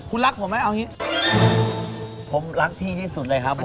คุณรักผมไหมเอาอย่างนี้ผมรักพี่ที่สุดเลยครับผม